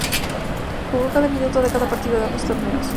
Jugó cada minuto de cada partido de ambos torneos.